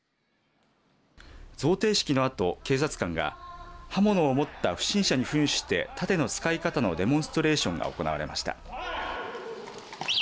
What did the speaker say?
贈呈式のあと、警察官が刃物を持った不審者にふんして盾の使い方のデモンストレーションが行われました。